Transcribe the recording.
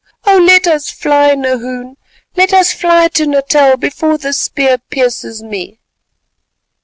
Oh! let us fly, Nahoon, let us fly to Natal before this spear pierces me."